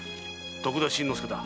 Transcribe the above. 徳田新之助だ。